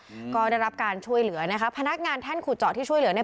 อืมก็ได้รับการช่วยเหลือนะคะพนักงานแท่นขุดเจาะที่ช่วยเหลือเนี้ย